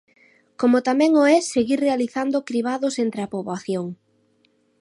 Como tamén o é seguir realizando cribados entre a poboación.